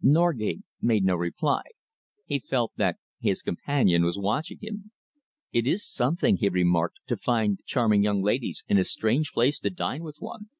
Norgate made no reply. He felt that his companion was watching him. "It is something," he remarked, "to find charming young ladies in a strange place to dine with one."